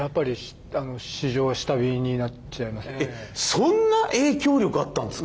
えそんな影響力あったんですか？